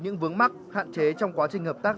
những vướng mắc hạn chế trong quá trình hợp tác